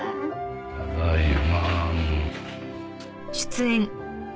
ただいま。